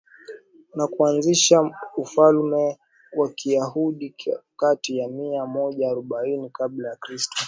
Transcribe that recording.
na kuanzisha ufalme wa Kiyahudi kati ya mia moja arobaini kabla ya kristo